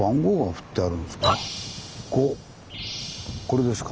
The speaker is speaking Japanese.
これですか。